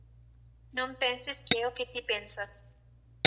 Non penses que é o que ti pensas.